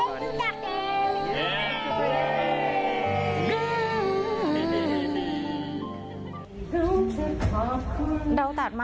ไม่รู้ทำอย่างไร